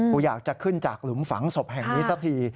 กูอยากจะขึ้นจากหลุมฝังศพแห่งนี้สักที